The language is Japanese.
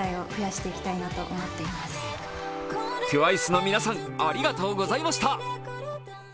ＴＷＩＣＥの皆さん、ありがとうございました。